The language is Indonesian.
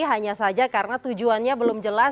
hanya saja karena tujuannya belum jelas